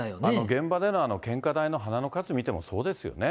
現場での献花台の花の数を見てもそうですよね。